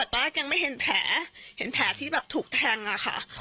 แต่ว่ายังไม่เห็นแผลเห็นแผลที่แบบถูกแทงอะค่ะ